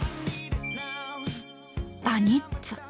バニッツァ。